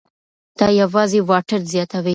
دا یوازې واټن زیاتوي.